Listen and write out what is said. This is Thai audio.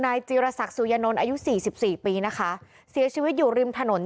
นายจีรศักดิ์สุยานนทร์อายุ๔๔ปีนะคะเสียชีวิตอยู่ริมถนน